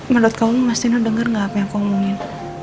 menurut kamu mas tino denger gak apa yang aku omongin